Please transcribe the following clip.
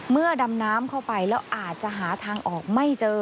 ดำน้ำเข้าไปแล้วอาจจะหาทางออกไม่เจอ